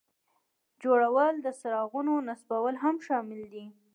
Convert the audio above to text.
جوړول او د څراغونو نصبول هم شامل دي.